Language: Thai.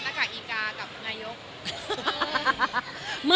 ขอบคุณครับ